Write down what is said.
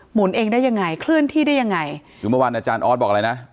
เองได้ยังไงเคลื่อนที่ได้ยังไงคือเมื่อวานอาจารย์ออสบอกอะไรนะ